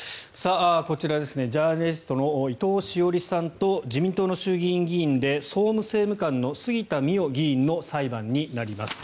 こちらジャーナリストの伊藤詩織さんと自民党の衆議院議員で総務政務官の杉田水脈議員の裁判になります。